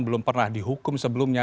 belum pernah dihukum sebelumnya